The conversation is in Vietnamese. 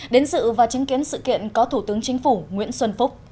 đến dự và chứng kiến sự kiện có thủ tướng chính phủ nguyễn xuân phúc